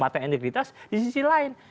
mata integritas di sisi lain